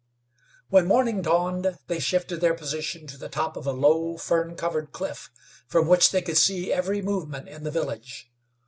When morning dawned they shifted their position to the top of a low, fern covered cliff, from which they could see every movement in the village.